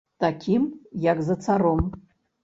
Такім, як за царом.